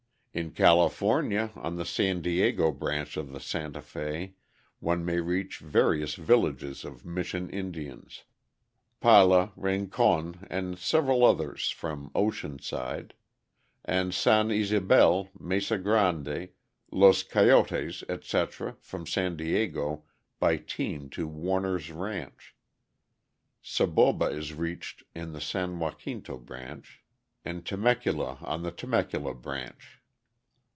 In California, on the San Diego branch of the Santa Fe, one may reach various villages of Mission Indians; Pala, Rincon, and several others from Oceanside; and San Ysabel, Mesa Grande, Los Coyotes, etc., from San Diego by team to Warner's Ranch. Saboba is reached on the San Jacinto branch, and Temecula on the Temecula branch.